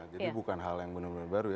jadi bukan hal yang benar benar baru